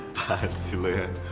apaan sih lo ya